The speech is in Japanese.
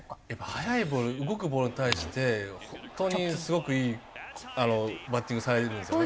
速いボール動くボールに対して本当にすごくいいバッティングされるんですよね。